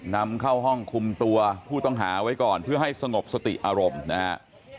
นำเข้าห้องคุมตัวผู้ต้องหาไว้ก่อนเพื่อให้สงบสติอารมณ์นะฮะ